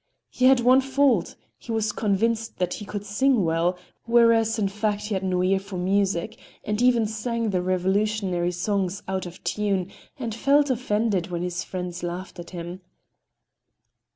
He had one fault,—he was convinced that he could sing well, whereas in fact he had no ear for music and even sang the revolutionary songs out of tune, and felt offended when his friends laughed at him.